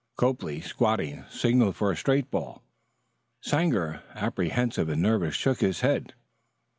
Copley, squatting, signaled for a straight ball. Sanger, apprehensive and nervous, shook his head.